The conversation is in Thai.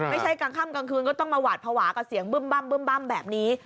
ไม่ใช่กลางค่ำกลางคืนก็ต้องมาหวาดภาวะกับเสียงบึ้มแบบนี้